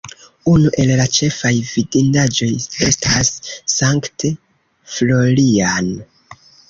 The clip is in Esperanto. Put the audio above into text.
Unu el la ĉefaj vidindaĵoj estas St. Florian.